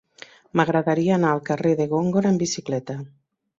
M'agradaria anar al carrer de Góngora amb bicicleta.